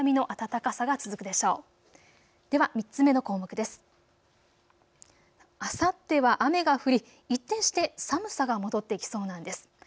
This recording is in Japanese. あさっては雨が降り一転して寒さが戻ってきそうなんです。